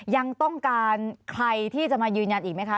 ยังต้องการใครที่จะมายืนยันอีกไหมคะ